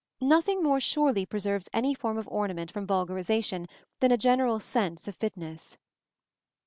Nothing more surely preserves any form of ornament from vulgarization than a general sense of fitness.